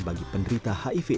pada kebangsaan kita